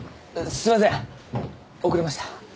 すいません遅れました。